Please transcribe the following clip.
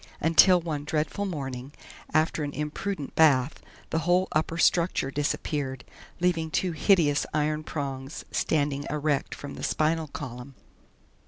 Until one dreadful morning, after an imprudent bath, the whole upper structure disappeared, leaving two hideous iron prongs standing erect from the spinal column.